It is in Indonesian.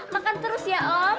makan terus ya om